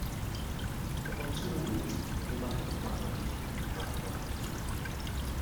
Po odsunu německých obyvatel kaple postupně chátrala.